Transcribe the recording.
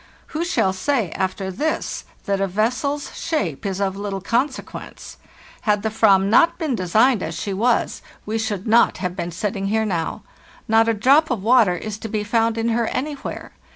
Who shall say after this that a vessel's shape is of little con sequence? Had the /vam not been designed as she was, 64 FARTHEST NORTH we should not have been sitting here now. Not a drop of water is to be found in her anywhere.